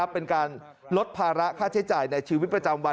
เป็นการลดภาระค่าใช้จ่ายในชีวิตประจำวัน